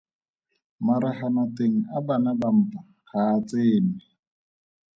Maraganateng a bana ba mpa ga a tsenwe.